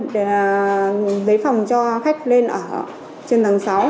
thì giấy phòng cho khách lên ở trên tầng sáu